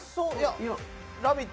いや「ラヴィット！」